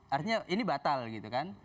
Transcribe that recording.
artinya ini batal gitu kan